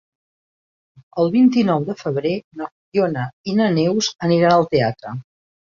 El vint-i-nou de febrer na Fiona i na Neus aniran al teatre.